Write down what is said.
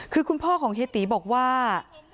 คือคุณพ่อของเฮียตีบอกว่า